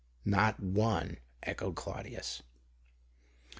" Not one," echoed Claudius.